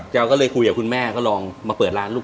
ส่วนคุณแม่จะเป็นช่างผม